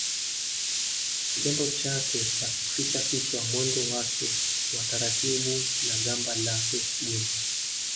Kitendo chake cha kuficha kichwa mwendo wake wa taratibu na gamba lake gumu